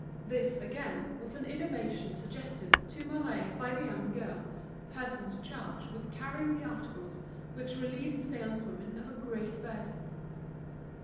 This, again, was an innovation suggested to Mouret by the young girl—persons charged with carrying the articles, which relieved the saleswomen of a great burden.